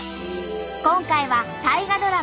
今回は大河ドラマ